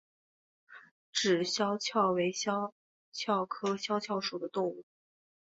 脂肖峭为肖峭科肖峭属的动物。